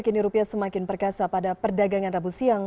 kini rupiah semakin perkasa pada perdagangan rabu siang